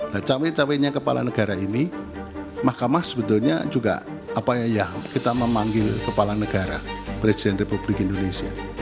nah cawe cawenya kepala negara ini mahkamah sebetulnya juga apa ya kita memanggil kepala negara presiden republik indonesia